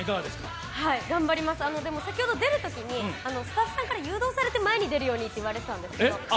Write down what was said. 頑張ります、でも出るときにスタッフさんから誘導されて前に出るようにって言われてたんですけど。